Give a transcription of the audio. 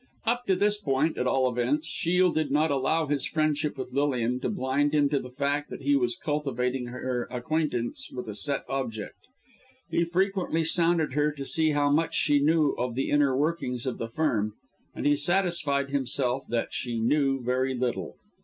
Up to this point, at all events, Shiel did not allow his friendship with Lilian to blind him to the fact that he was cultivating her acquaintance with a set object. He frequently sounded her to see how much she knew of the inner workings of the Firm, and he satisfied himself that she knew very little.